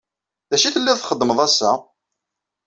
D acu i telliḍ txeddmeḍ ass-a?